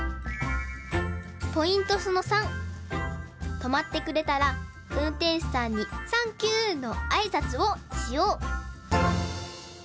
とまってくれたらうんてんしゅさんに「サンキュー！」のあいさつをしよう！